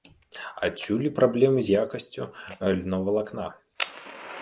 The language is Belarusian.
Адсюль і праблемы з якасцю льновалакна.